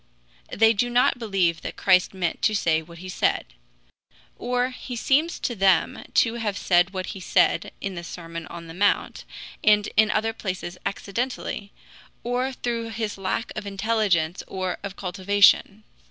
They do not believe that Christ meant to say what he said; or he seems to them to have said what he said in the Sermon on the Mount and in other places accidentally, or through his lack of intelligence or of cultivation.